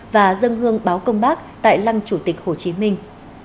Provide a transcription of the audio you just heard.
và dân hương báo công bác tại lăng chủ tịch hồ chí minh